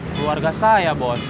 keluarga saya bos